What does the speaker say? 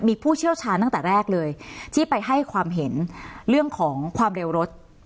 มีผู้เชี่ยวชาญตั้งแต่แรกเลยที่ไปให้ความเห็นเรื่องของความเร็วรถ